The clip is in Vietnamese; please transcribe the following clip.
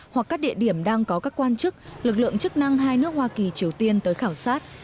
hoặc các địa điểm đang có các quan chức lực lượng chức năng hai nước hoa kỳ triều tiên tới khảo sát